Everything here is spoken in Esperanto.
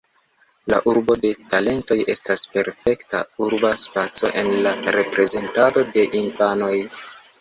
La urbo de talentoj estas perfekta urba spaco en la reprezentado de infanoj.